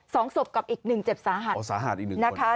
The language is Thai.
สองศพกับอีกหนึ่งเจ็บสาหัสนะคะ